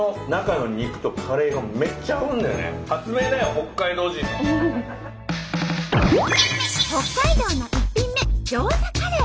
北海道の１品目ギョーザカレー。